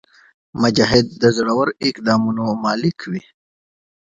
مجاهد د زړور اقدامونو مالک وي.